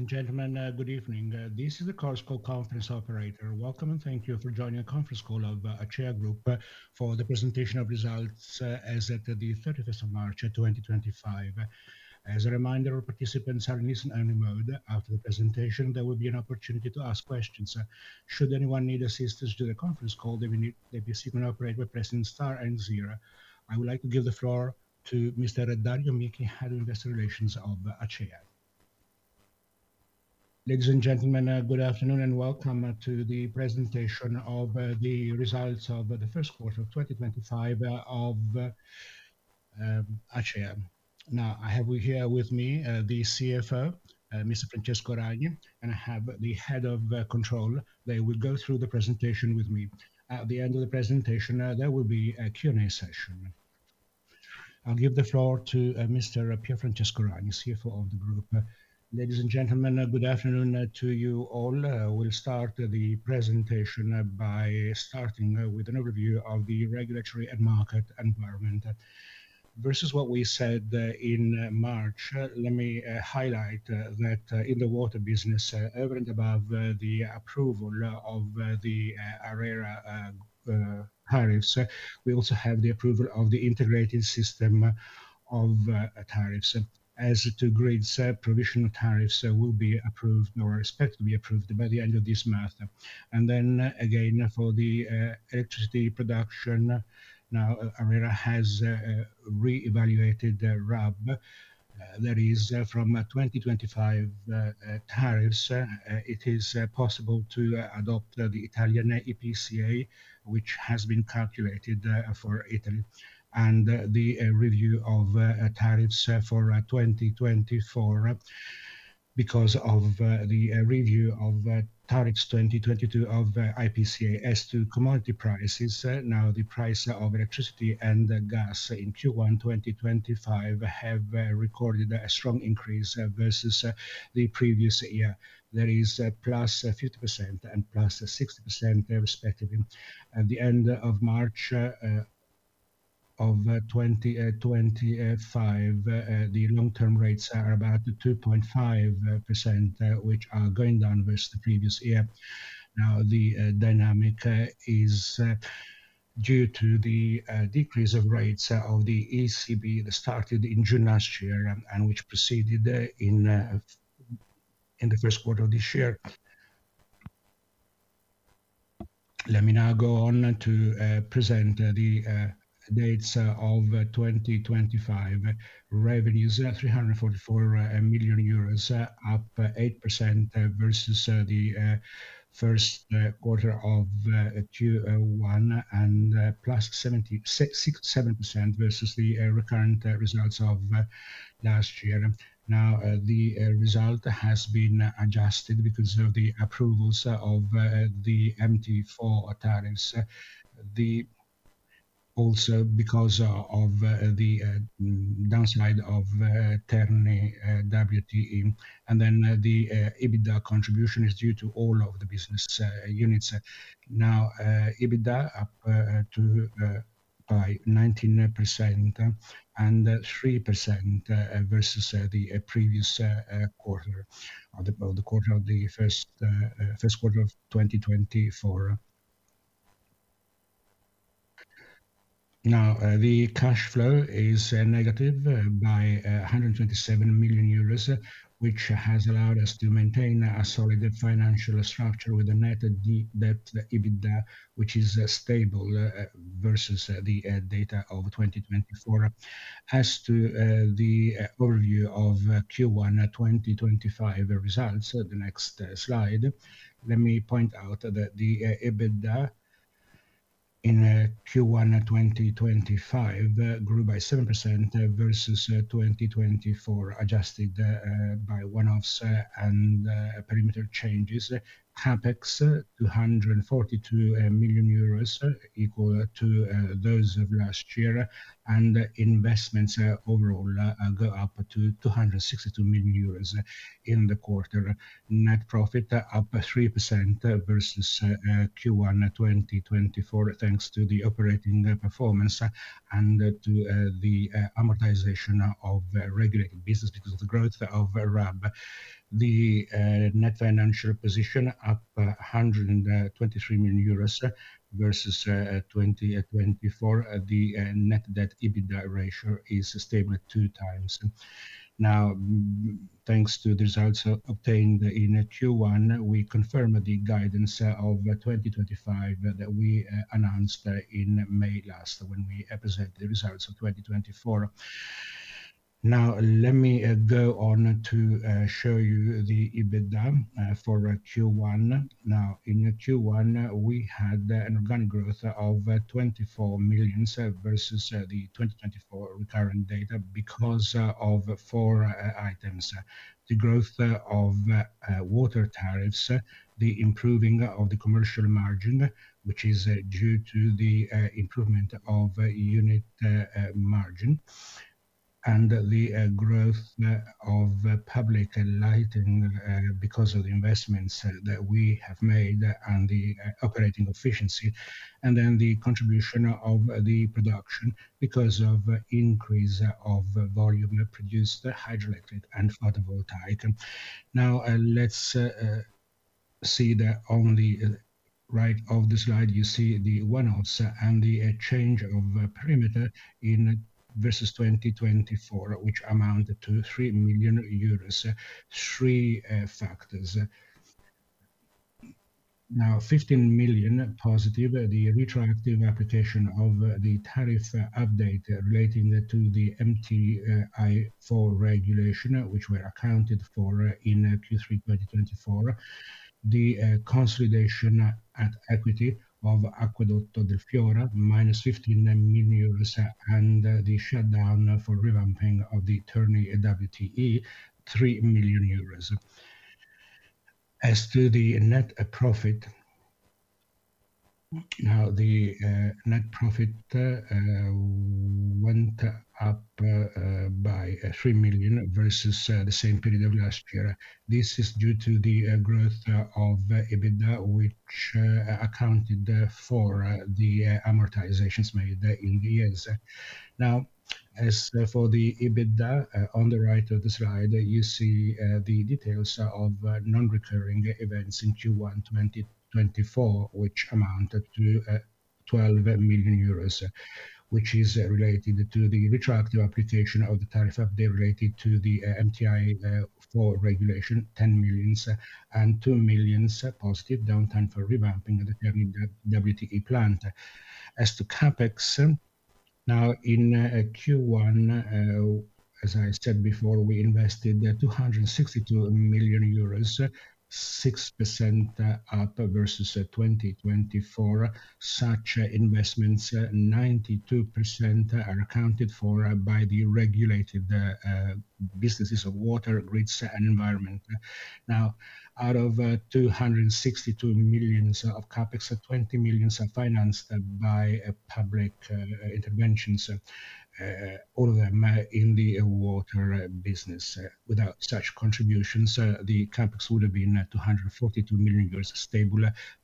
Ladies and gentlemen, good evening. This is the conference call operator. Welcome and thank you for joining the conference call of Acea Group for the presentation of results as of the 31st of March 2025. As a reminder, all participants are in listen-only mode. After the presentation, there will be an opportunity to ask questions. Should anyone need assistance during the conference call, they will be seen and operated by pressing star and zero. I would like to give the floor to Mr. Dario Michi, Head of Investor Relations of Acea. Ladies and gentlemen, good afternoon and welcome to the presentation of the results of the first quarter of 2025 of Acea. Now, I have here with me the CFO, Mr. Francesco Ragni, and I have the Head of Control. They will go through the presentation with me. At the end of the presentation, there will be a Q&A session. I'll give the floor to Mr. Pier Francesco Ragni, CFO of the Group. Ladies and gentlemen, good afternoon to you all. We'll start the presentation by starting with an overview of the regulatory and market environment. Versus what we said in March, let me highlight that in the water business, over and above the approval of the ARERA tariffs, we also have the approval of the integrated system of tariffs. As to grids, provisional tariffs will be approved or expected to be approved by the end of this month. For the electricity production, now ARERA has re-evaluated the RAB. That is, from 2025 tariffs, it is possible to adopt the Italian IPCA, which has been calculated for Italy, and the review of tariffs for 2024 because of the review of tariffs 2022 of IPCA. As to commodity prices, now the price of electricity and gas in Q1 2025 have recorded a strong increase versus the previous year. That is, +50% and +60% respectively. At the end of March of 2025, the long-term rates are about 2.5%, which are going down versus the previous year. Now, the dynamic is due to the decrease of rates of the ECB that started in June last year and which proceeded in the first quarter of this year. Let me now go on to present the dates of 2025. Revenues are 344 million euros, up 8% versus the first quarter of Q1, and +7% versus the recurrent results of last year. Now, the result has been adjusted because of the approvals of the MT-4 tariffs, also because of the downside of Terni WTE. And then the EBITDA contribution is due to all of the business units. Now, EBITDA up by 19% and 3% versus the previous quarter, the quarter of the first quarter of 2024. Now, the cash flow is negative by 127 million euros, which has allowed us to maintain a solid financial structure with a net debt EBITDA, which is stable versus the data of 2024. As to the overview of Q1 2025 results, the next slide, let me point out that the EBITDA in Q1 2025 grew by 7% versus 2024, adjusted by one-offs and perimeter changes. CapEx, 242 million euros, equal to those of last year, and investments overall go up to 262 million euros in the quarter. Net profit up 3% versus Q1 2024, thanks to the operating performance and to the amortization of regulated business because of the growth of RAB. The net financial position up 123 million euros versus 2024. The net debt EBITDA ratio is stable at two times. Now, thanks to the results obtained in Q1, we confirm the guidance of 2025 that we announced in May last when we presented the results of 2024. Now, let me go on to show you the EBITDA for Q1. Now, in Q1, we had an organic growth of 24 million versus the 2024 recurring data because of four items: the growth of water tariffs, the improving of the commercial margin, which is due to the improvement of unit margin, and the growth of public lighting because of the investments that we have made and the operating efficiency, and then the contribution of the production because of increase of volume produced hydroelectric and photovoltaic. Now, let's see the only right of the slide. You see the one-offs and the change of perimeter versus 2024, which amounted to 3 million euros, three factors. Now, 15 million positive, the retroactive application of the tariff update relating to the MT-4 regulation, which were accounted for in Q3 2024, the consolidation at equity of Aquedotto del Fiora, -15 million euros, and the shutdown for revamping of the Terni WTE, 3 million euros. As to the net profit, now the net profit went up by 3 million versus the same period of last year. This is due to the growth of EBITDA, which accounted for the amortizations made in the years. Now, as for the EBITDA, on the right of the slide, you see the details of non-recurring events in Q1 2024, which amounted to 12 million euros, which is related to the retroactive application of the tariff update related to the MT-4 regulation, 10 million, and 2 million positive downtime for revamping of the Terni WTE plant. As to CapEx, now in Q1, as I said before, we invested 262 million euros, 6% up versus 2024. Such investments, 92%, are accounted for by the regulated businesses of water, grids, and environment. Now, out of 262 million of CapEx, 20 million financed by public interventions, all of them in the water business. Without such contributions, the CapEx would have been 242 million euros stable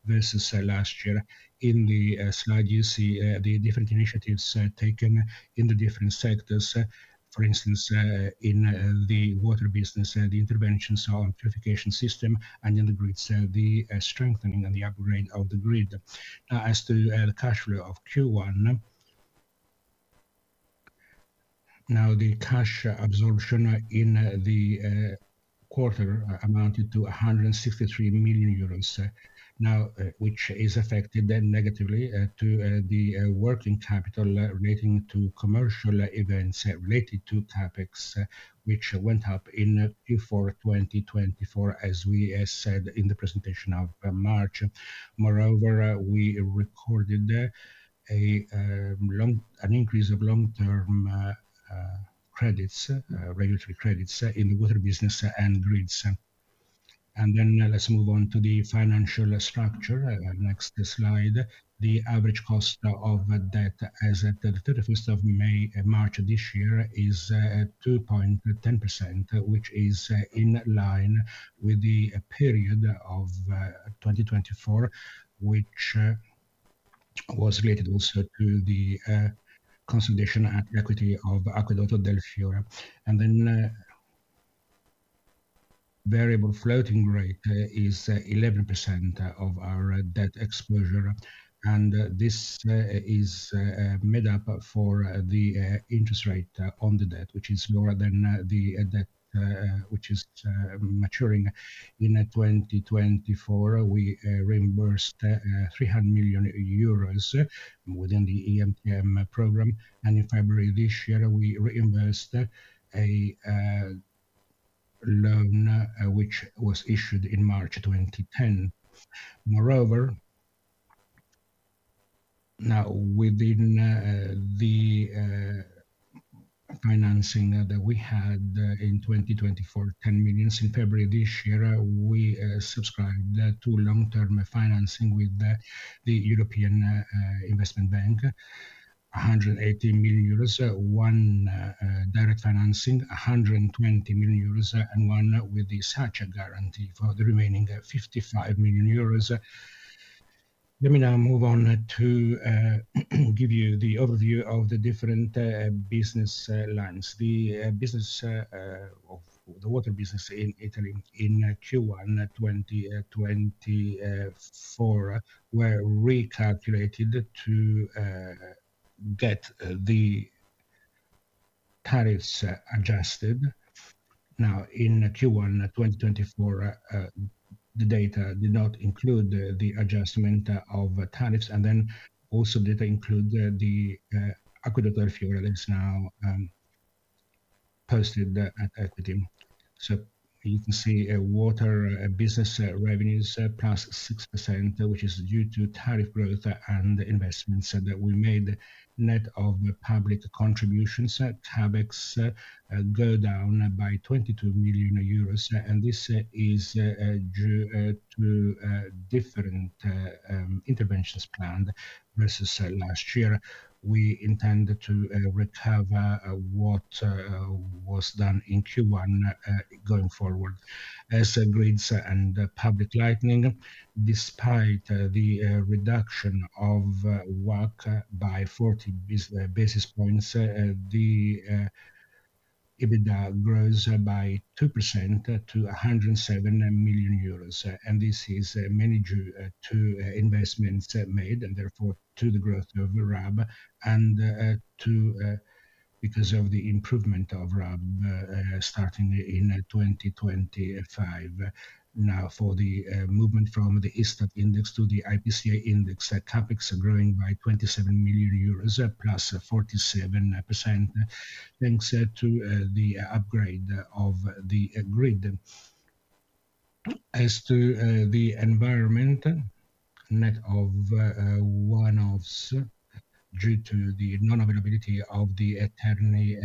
versus last year. In the slide, you see the different initiatives taken in the different sectors. For instance, in the water business, the interventions on purification system and in the grids, the strengthening and the upgrade of the grid. Now, as to the cash flow of Q1, now the cash absorption in the quarter amounted to 163 million euros, which is affected negatively to the working capital relating to commercial events related to CapEx, which went up in Q4 2024, as we said in the presentation of March. Moreover, we recorded an increase of long-term credits, regulatory credits in the water business and grids. Next, let's move on to the financial structure. Next slide. The average cost of debt, as of the 31st of March this year, is 2.10%, which is in line with the period of 2024, which was related also to the consolidation at equity of Aquedotto del Fiora. Variable floating rate is 11% of our debt exposure, and this is made up for the interest rate on the debt, which is lower than the debt which is maturing. In 2024, we reimbursed 300 million euros within the EMTN program, and in February this year, we reimbursed a loan which was issued in March 2010. Moreover, now within the financing that we had in 2024, 10 million in February this year, we subscribed to long-term financing with the European Investment Bank, 180 million euros, one direct financing, 120 million euros, and one with the SACE guarantee for the remaining 55 million euros. Let me now move on to give you the overview of the different business lines. The business of the water business in Italy in Q1 2024 were recalculated to get the tariffs adjusted. Now, in Q1 2024, the data did not include the adjustment of tariffs, and then also did include the Aquedotto del Fiora that is now posted at equity. So you can see water business revenues +6%, which is due to tariff growth and investments that we made. Net of public contributions, CapEx go down by 22 million euros, and this is due to different interventions planned versus last year. We intend to recover what was done in Q1 going forward. As grids and public lighting, despite the reduction of WACC by 40 basis points, the EBITDA grows by 2% to 107 million euros, and this is mainly due to investments made and therefore to the growth of RAB and because of the improvement of RAB starting in 2025. Now, for the movement from the ISTAT Index to the IPCA index, CapEx are growing by EUR 27 million +47%, thanks to the upgrade of the grid. As to the environment, net of one-offs due to the non-availability of the Terni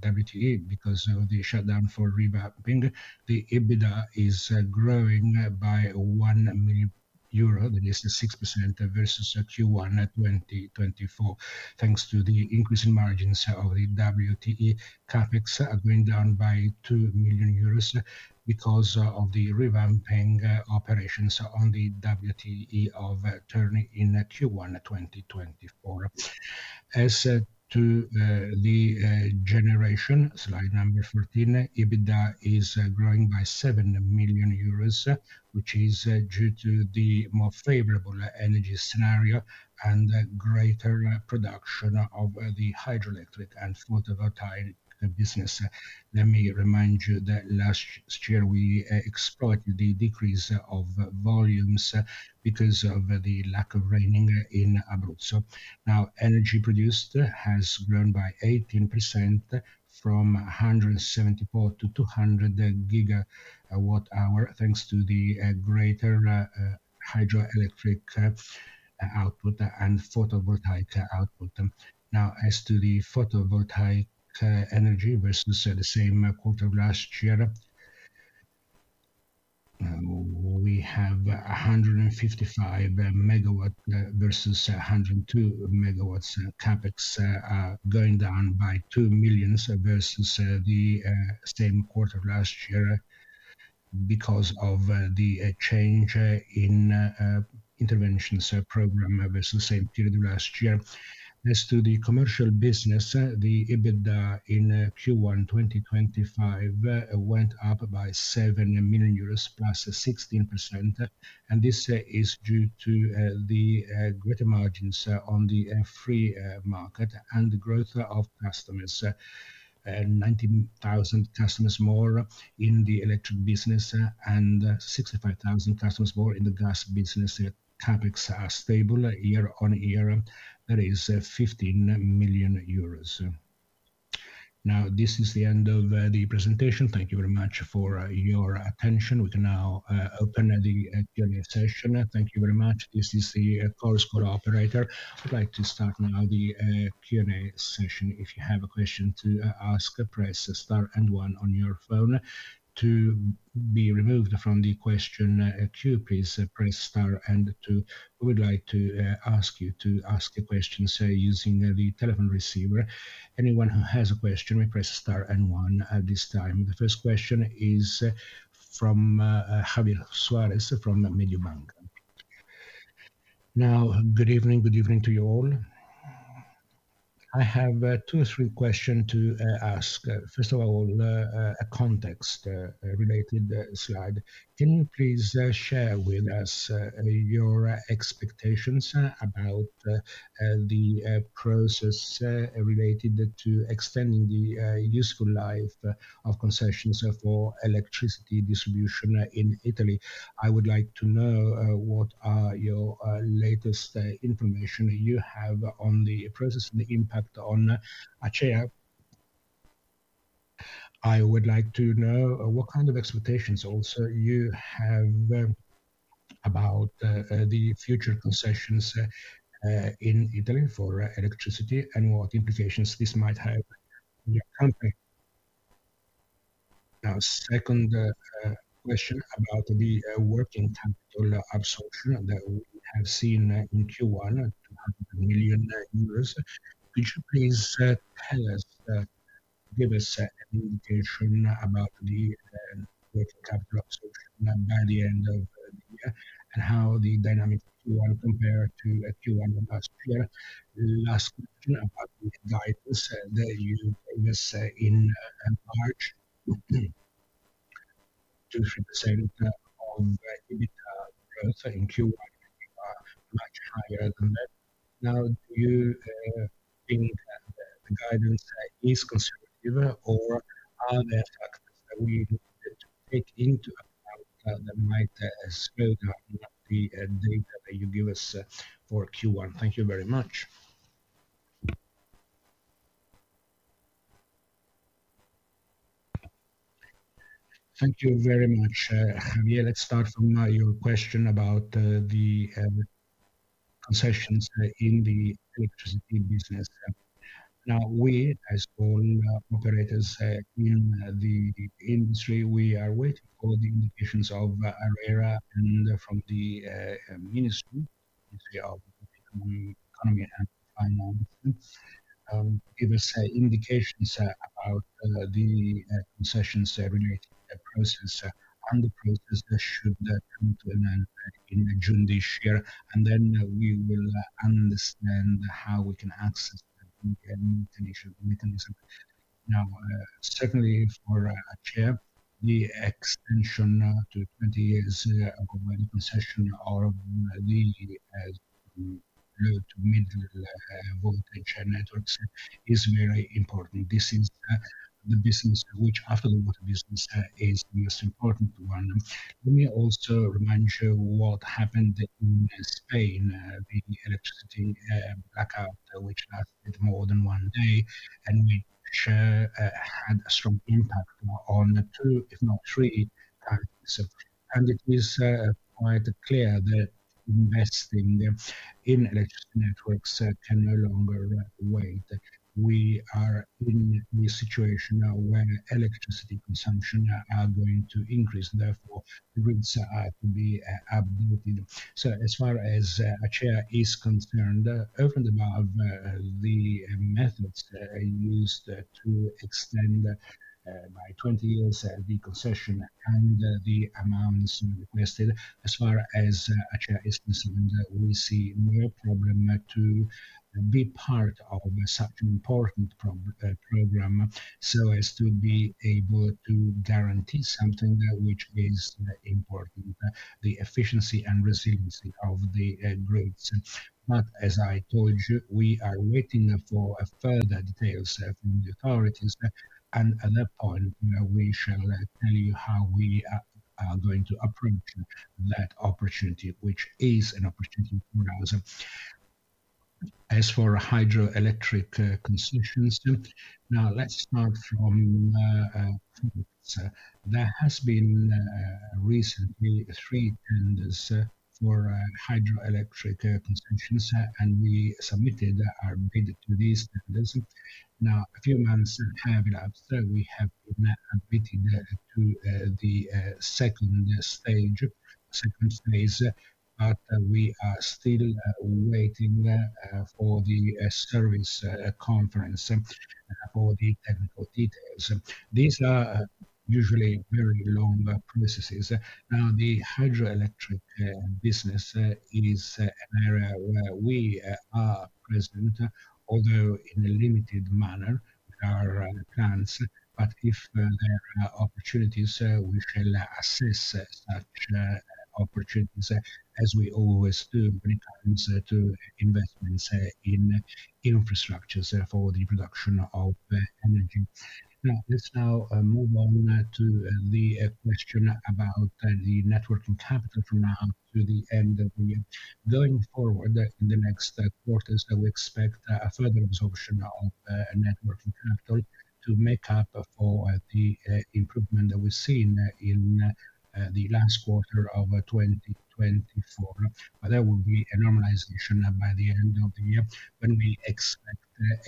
WTE because of the shutdown for revamping, the EBITDA is growing by 1 million euro, that is 6% versus Q1 2024, thanks to the increase in margins of the WTE. CapEx are going down by 2 million euros because of the revamping operations on the WTE of Terni in Q1 2024. As to the generation, slide number 14, EBITDA is growing by 7 million euros, which is due to the more favorable energy scenario and greater production of the hydroelectric and photovoltaic business. Let me remind you that last year we exploited the decrease of volumes because of the lack of raining in Abruzzo. Now, energy produced has grown by 18% from 174 GWh-200 GWh, thanks to the greater hydroelectric output and photovoltaic output. Now, as to the photovoltaic energy versus the same quarter of last year, we have 155 MW versus 102 MW. CapEx are going down by 2 million versus the same quarter last year because of the change in interventions program versus the same period of last year. As to the commercial business, the EBITDA in Q1 2025 went up by 7 million euros, +16%, and this is due to the greater margins on the free market and the growth of customers, 90,000 customers more in the electric business and 65,000 customers more in the gas business. CapEx are stable year on year. That is 15 million euros. Now, this is the end of the presentation. Thank you very much for your attention. We can now open the Q&A session. Thank you very much. This is the correspondent operator. I'd like to start now the Q&A session. If you have a question to ask, press star and one on your phone. To be removed from the question queue, please press star and two. We would like to ask you to ask a question using the telephone receiver. Anyone who has a question, please press star and one at this time. The first question is from Javier Suárez from Mediobanca. Now, good evening. Good evening to you all. I have two or three questions to ask. First of all, a context-related slide. Can you please share with us your expectations about the process related to extending the useful life of concessions for electricity distribution in Italy? I would like to know what are your latest information you have on the process and the impact on Acea. I would like to know what kind of expectations also you have about the future concessions in Italy for electricity and what implications this might have in your company. Now, second question about the working capital absorption that we have seen in Q1, 200 million euros. Could you please give us an indication about the working capital absorption by the end of the year and how the dynamic Q1 compared to Q1 of last year? Last question about the guidance that you gave us in March. 2%-3% of EBITDA growth in Q1, which are much higher than that. Now, do you think the guidance is conservative, or are there factors that we need to take into account that might slow down the data that you give us for Q1? Thank you very much. Thank you very much, Javier. Let's start from your question about the concessions in the electricity business. Now, we, as all operators in the industry, we are waiting for the indications of ARERA and from the Ministry of Economy and Finance. Give us indications about the concessions relating to the process and the process that should come to an end in June this year, and then we will understand how we can access the mechanism. Now, secondly, for Acea, the extension to 20 years of the concession of the low to middle voltage networks is very important. This is the business which, after the water business, is the most important one. Let me also remind you what happened in Spain, the electricity blackout, which lasted more than one day, and which had a strong impact on two, if not three, parties. It is quite clear that investing in electricity networks can no longer wait. We are in the situation now where electricity consumption is going to increase. Therefore, the grids are to be updated. As far as Acea is concerned, above the methods used to extend by 20 years the concession and the amounts requested. As far as Acea is concerned, we see no problem to be part of such an important program so as to be able to guarantee something which is important, the efficiency and resiliency of the grids. As I told you, we are waiting for further details from the authorities, and at that point, we shall tell you how we are going to approach that opportunity, which is an opportunity for us. As for hydroelectric concessions, now let's start from CapEx. There have been recently three tenders for hydroelectric concessions, and we submitted our bid to these tenders. Now, a few months have elapsed. We have been admitted to the second stage, second phase, but we are still waiting for the service conference for the technical details. These are usually very long processes. Now, the hydroelectric business is an area where we are present, although in a limited manner. There are plans, but if there are opportunities, we shall assess such opportunities, as we always do, returns to investments in infrastructures for the production of energy. Now, let's now move on to the question about the networking capital from now to the end of the year. Going forward, in the next quarters, we expect a further absorption of networking capital to make up for the improvement that we've seen in the last quarter of 2024. There will be a normalization by the end of the year when we expect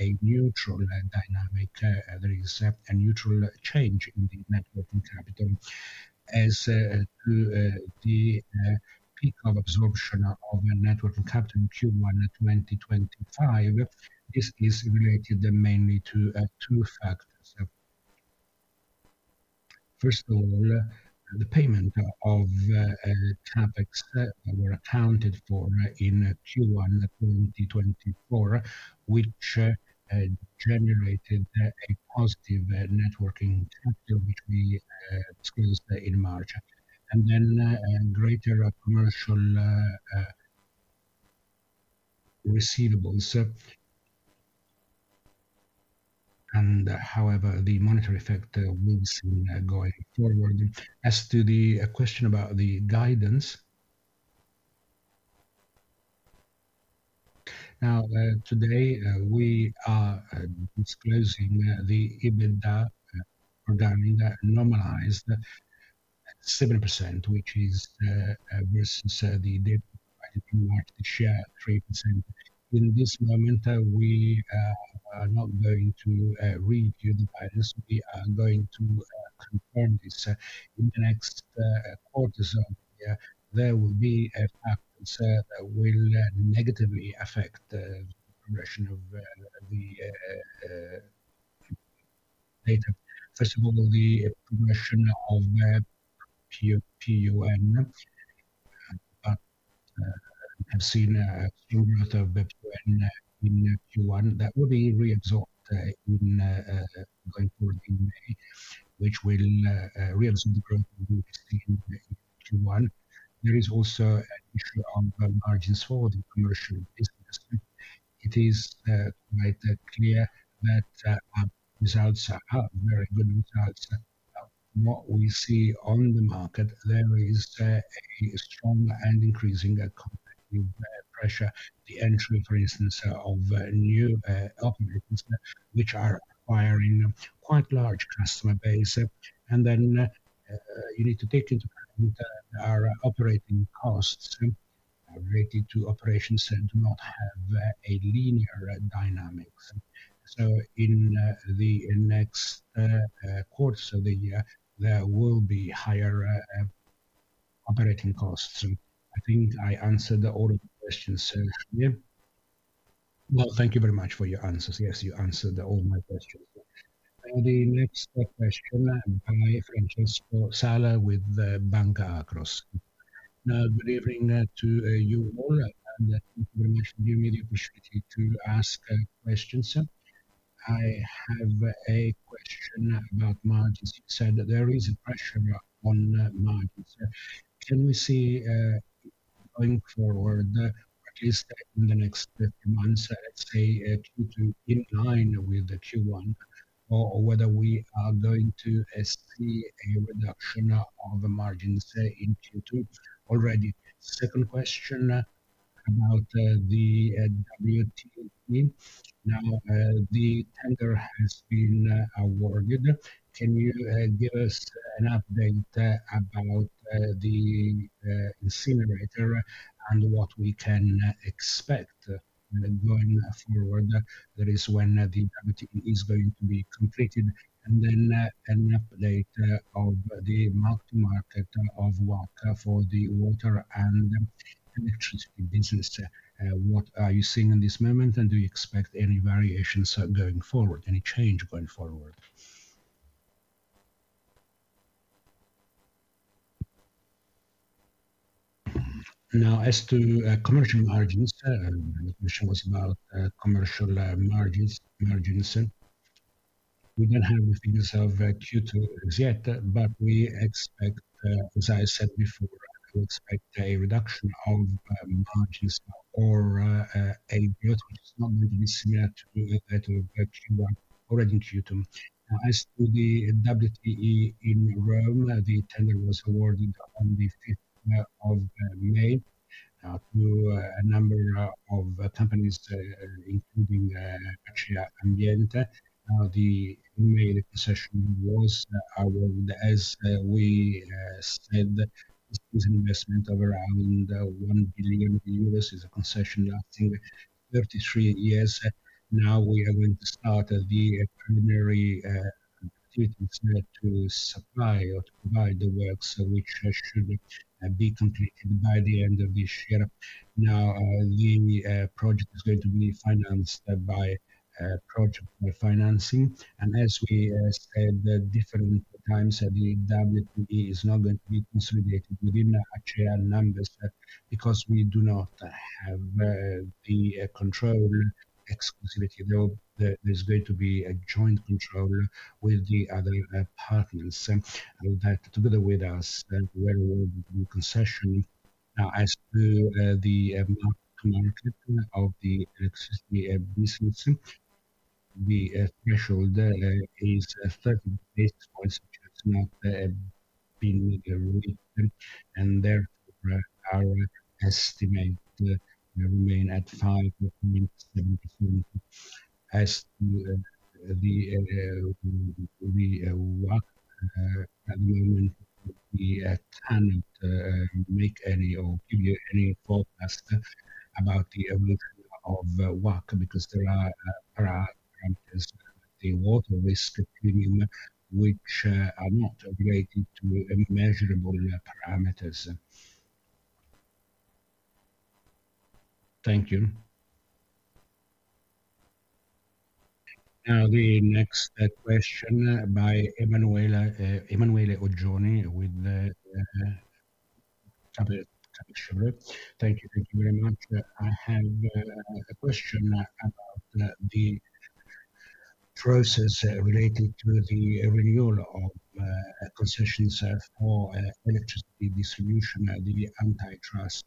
a neutral dynamic. There is a neutral change in the networking capital. As to the peak of absorption of networking capital in Q1 2025, this is related mainly to two factors. First of all, the payment of CapEx that were accounted for in Q1 2024, which generated a positive networking capital, which we disclosed in March. Then greater commercial receivables. However, the monetary effect we've seen going forward. As to the question about the guidance, now, today, we are disclosing the EBITDA for normalized at 7%, which is versus the data provided from March this year, 3%. In this moment, we are not going to review the guidance. We are going to confirm this in the next quarters of the year. There will be factors that will negatively affect the progression of the data. First of all, the progression of PUN. We have seen a strong growth of PUN in Q1 that will be reabsorbed going forward in May, which will reabsorb the growth we've seen in Q1. There is also an issue of margins for the commercial business. It is quite clear that our results are very good results. What we see on the market, there is a strong and increasing competitive pressure, the entry, for instance, of new operators, which are acquiring quite a large customer base. You need to take into account that our operating costs relating to operations do not have a linear dynamic. In the next quarters of the year, there will be higher operating costs. I think I answered all of the questions here. Thank you very much for your answers. Yes, you answered all my questions. Now, the next question by Francesco Sala with Banca Akros. Good evening to you all. Thank you very much. I do really appreciate you asking questions. I have a question about margins. You said that there is a pressure on margins. Can we see going forward, at least in the next few months, let's say Q2, in line with Q1, or whether we are going to see a reduction of margins in Q2 already? Second question about the WTE. Now, the tender has been awarded. Can you give us an update about the incinerator and what we can expect going forward? That is when the WTE is going to be completed. An update of the multi-market of work for the water and electricity business. What are you seeing in this moment, and do you expect any variations going forward, any change going forward? Now, as to commercial margins, the question was about commercial margins. We do not have the figures of Q2 as yet, but we expect, as I said before, we expect a reduction of margins or a growth, which is not going to be similar to that of Q1, already Q2. Now, as to the WTE in Rome, the tender was awarded on the 5th of May to a number of companies, including Acea Ambiente. Now, the main concession was awarded, as we said, this is an investment of around 1 billion euros. It is a concession lasting 33 years. Now, we are going to start the preliminary activities to supply or to provide the works, which should be completed by the end of this year. Now, the project is going to be financed by project financing. As we said different times, the WTE is not going to be consolidated within Acea numbers because we do not have the control exclusivity. There is going to be a joint control with the other partners. I would like to, together with us, to be a concession. Now, as to the market of the electricity business, the threshold is 30 days for this project. It has not been reached, and therefore our estimate will remain at 5.7%. As to the work, at the moment, we cannot make any or give you any forecast about the evolution of work because there are parameters with the Water Risk Premium, which are not related to measurable parameters. Thank you. Now, the next question by Emanuele Oggioni with Kepler Cheuvreux. Thank you. Thank you very much. I have a question about the process related to the renewal of concessions for electricity distribution. The Antitrust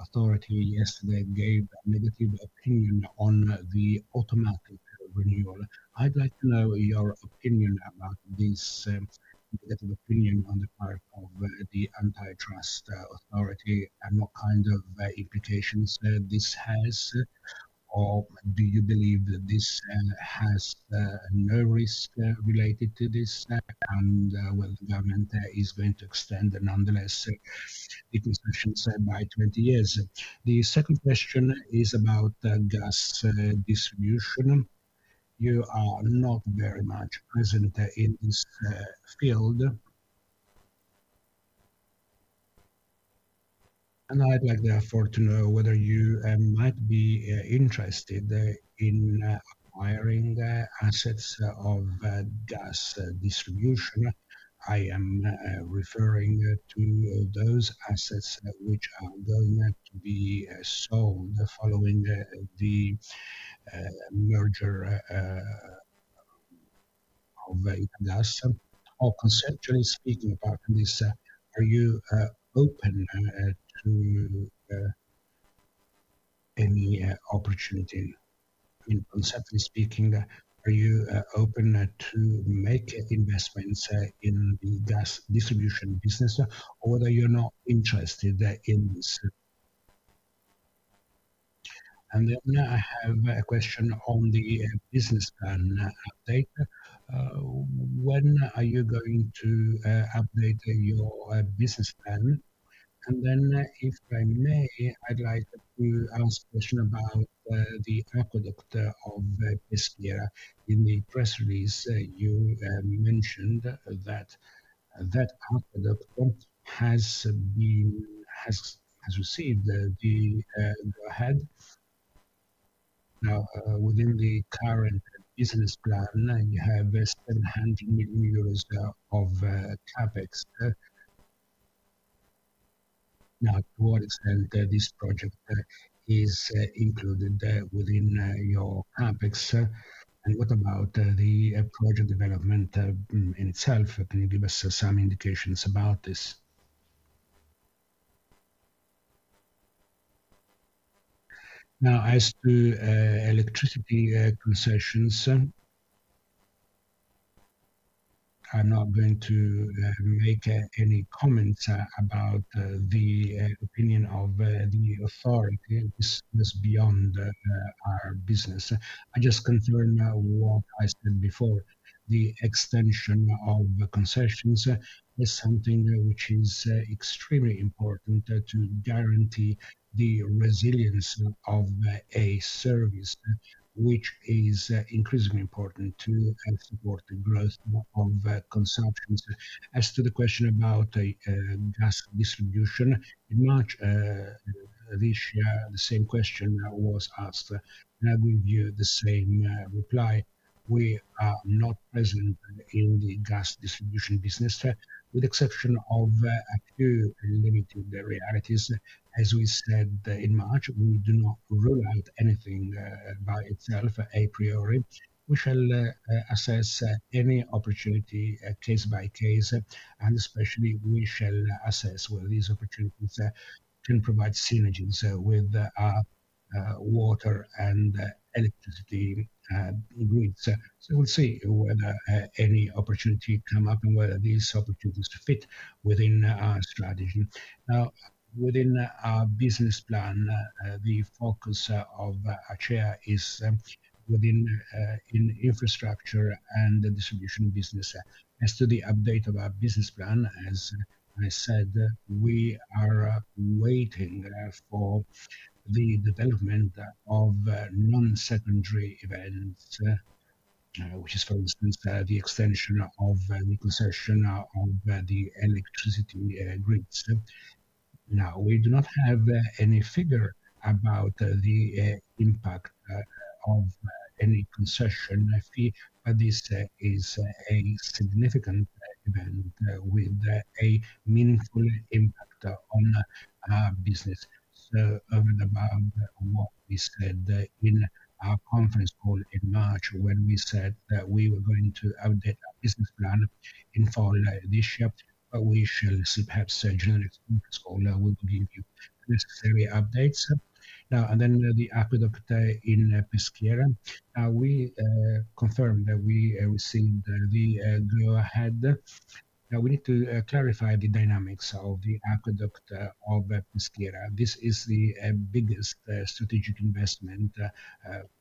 Authority yesterday gave a negative opinion on the automatic renewal. I'd like to know your opinion about this negative opinion on the part of the Antitrust Authority and what kind of implications this has, or do you believe that this has no risk related to this and whether the government is going to extend nonetheless the concessions by 20 years? The second question is about gas distribution. You are not very much present in this field. I’d like therefore to know whether you might be interested in acquiring assets of gas distribution. I am referring to those assets which are going to be sold following the merger of ECO GAS. Conceptually speaking about this, are you open to any opportunity? I mean, conceptually speaking, are you open to make investments in the gas distribution business, or whether you're not interested in this? I have a question on the business plan update. When are you going to update your business plan? If I may, I'd like to ask a question about the Aqueduct of Peschiera. In the press release, you mentioned that that aqueduct has received the go ahead. Now, within the current business plan, you have 700 million euros of CapEx. To what extent is this project included within your CapEx? What about the project development itself? Can you give us some indications about this? As to electricity concessions, I'm not going to make any comments about the opinion of the authority. This is beyond our business. I just confirm what I said before. The extension of concessions is something which is extremely important to guarantee the resilience of a service, which is increasingly important to support the growth of consumption. As to the question about gas distribution, in March of this year, the same question was asked. I gave you the same reply. We are not present in the gas distribution business, with the exception of a few limited realities. As we said in March, we do not rule out anything by itself a priori. We shall assess any opportunity case by case, and especially we shall assess whether these opportunities can provide synergies with our water and electricity grids. We will see whether any opportunity comes up and whether these opportunities fit within our strategy. Now, within our business plan, the focus of Acea is within infrastructure and distribution business. As to the update of our business plan, as I said, we are waiting for the development of non-secondary events, which is, for instance, the extension of the concession of the electricity grids. Now, we do not have any figure about the impact of any concession. I feel that this is a significant event with a meaningful impact on our business. About what we said in our conference call in March when we said that we were going to update our business plan in fall this year, we shall perhaps generate a conference call that will give you necessary updates. Now, the aqueduct in Peschiera. We confirmed that we received the go ahead. We need to clarify the dynamics of the Aqueduct of Peschiera. This is the biggest strategic investment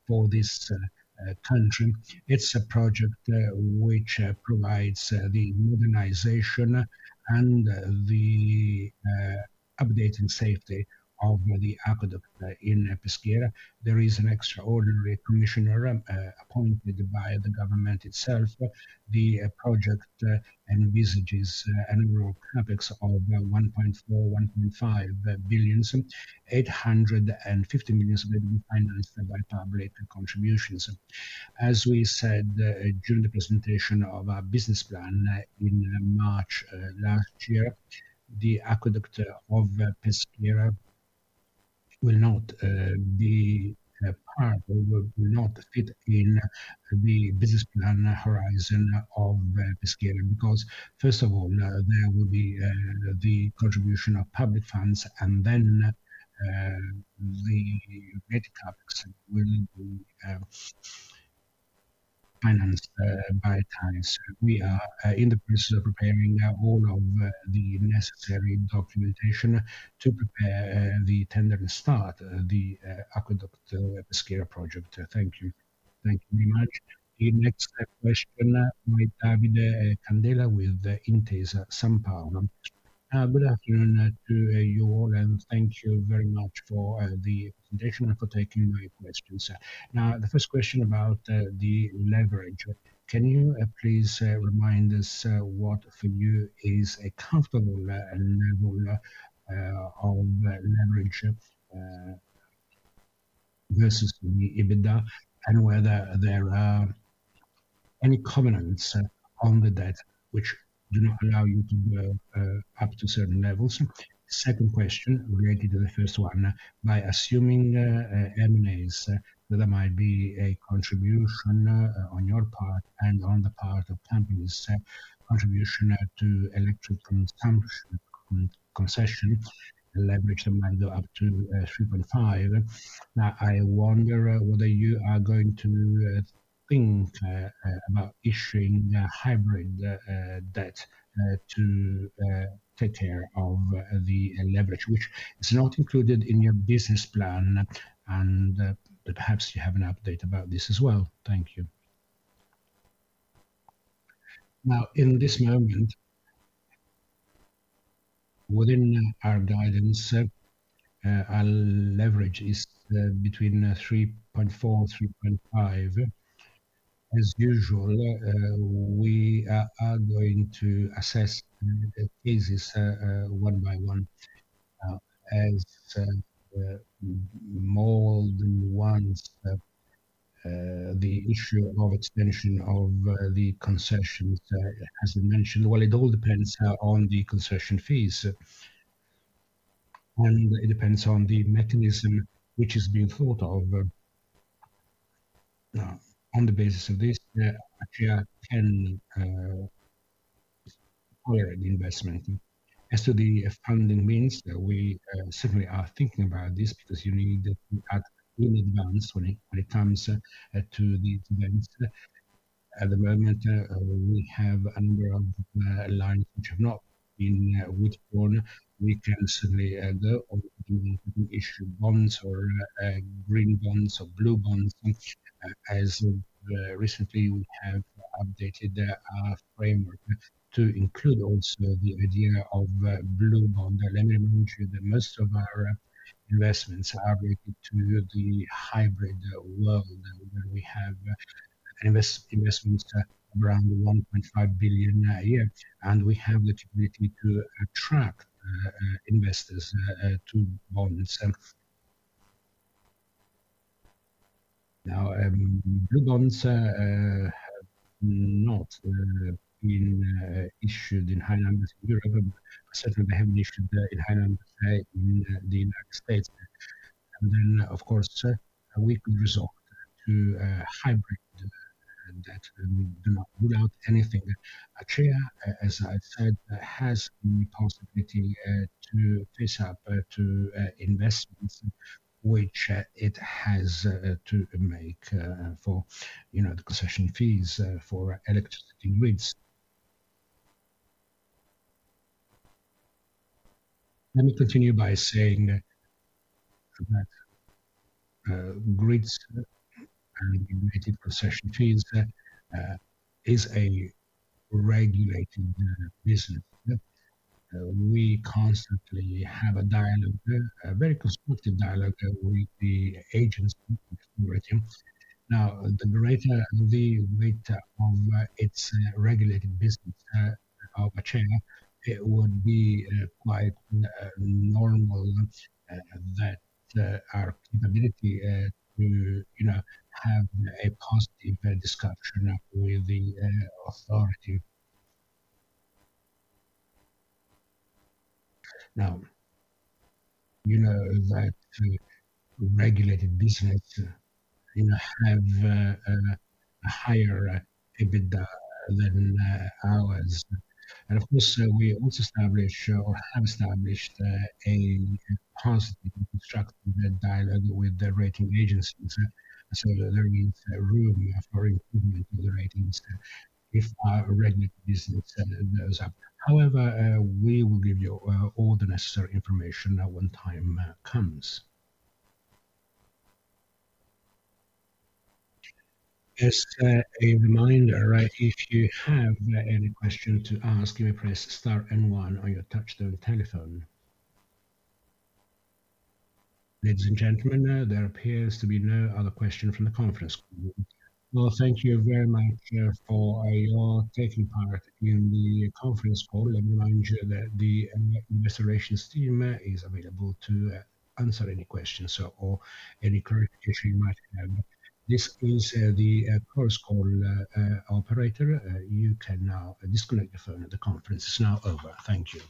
for this country. It's a project which provides the modernization and the updating safety of the aqueduct in Peschiera. There is an extraordinary commissioner appointed by the government itself. The project envisages an overall CapEx of 1.4 billion-1.5 billion. 850 million is going to be financed by public contributions. As we said during the presentation of our business plan in March last year, the Aqueduct of Peschiera will not be part of, will not fit in the business plan horizon of Peschiera because, first of all, there will be the contribution of public funds, and then the rate CapEx will be financed by TAEES. We are in the process of preparing all of the necessary documentation to prepare the tender to start the Aqueduct of Peschiera project. Thank you. Thank you very much. The next question by Davide Candela with Intesa Sanpaolo. Good afternoon to you all, and thank you very much for the presentation and for taking my questions. Now, the first question about the leverage. Can you please remind us what for you is a comfortable level of leverage versus the EBITDA and whether there are any covenants on the debt which do not allow you to go up to certain levels? Second question related to the first one. By assuming M&As, there might be a contribution on your part and on the part of companies' contribution to electric consumption concession leverage amount up to 3.5 billion. Now, I wonder whether you are going to think about issuing hybrid debt to take care of the leverage, which is not included in your business plan, and perhaps you have an update about this as well. Thank you. Now, in this moment, within our guidance, our leverage is between 3.4 billion-3.5 billion. As usual, we are going to assess the cases one by one. As more than once, the issue of extension of the concessions, as I mentioned, it all depends on the concession fees, and it depends on the mechanism which is being thought of. Now, on the basis of this, Acea can tolerate the investment. As to the funding means, we certainly are thinking about this because you need to act in advance when it comes to these events. At the moment, we have a number of lines which have not been withdrawn. We can certainly go on to issue bonds or green bonds or blue bonds. As recently, we have updated our framework to include also the idea of blue bond. Let me remind you that most of our investments are related to the hybrid world where we have investments around 1.5 billion a year, and we have the capability to attract investors to bonds. Now, blue bonds have not been issued in high numbers in Europe. Certainly, they have not issued in high numbers in the United States. Of course, we could resort to hybrid debt. We do not rule out anything. Acea, as I said, has the possibility to face up to investments which it has to make for the concession fees for electricity grids. Let me continue by saying that grids and related concession fees is a regulated business. We constantly have a dialogue, a very constructive dialogue with the agency authority. Now, the greater the weight of its regulated business of Acea, it would be quite normal that our capability to have a positive discussion with the authority. You know that regulated businesses have a higher EBITDA than ours. Of course, we also establish or have established a positive constructive dialogue with the rating agencies. There is room for improvement of the ratings if our regulated business goes up. However, we will give you all the necessary information when the time comes. As a reminder, if you have any questions to ask, you may press star and one on your touch-tone telephone. Ladies and gentlemen, there appears to be no other question from the conference call. Thank you very much for your taking part in the conference call. Let me remind you that the investigations team is available to answer any questions or any clarification you might have. This is the closed call operator. You can now disconnect your phone. The conference is now over. Thank you.